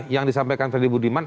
yang disampaikan freddy budiman